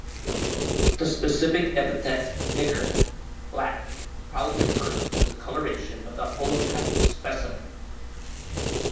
The specific epithet "niger" (‘black’) probably refers to the colouration of the holotype specimen.